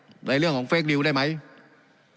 การปรับปรุงทางพื้นฐานสนามบิน